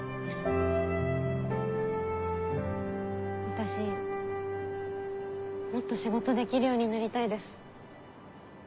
私もっと仕事できるようになりたいです。